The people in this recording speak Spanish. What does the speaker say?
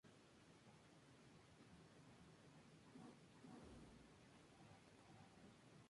Actualmente, su diseño es multicapa.